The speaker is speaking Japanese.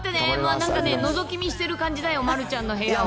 なんか、のぞき見している感じだよ、丸ちゃんの部屋を。